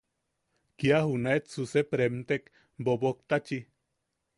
Kia junaetsu sep remtek Boboktachi.